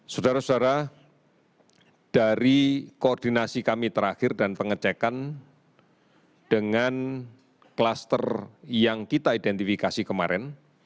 saudara saudara dari koordinasi kami terakhir dan pengecekan dengan kluster yang kita identifikasi kemarin